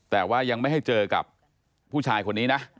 แต่ว่ายังไม่ให้เจอกับผู้ชายคนนี้นะ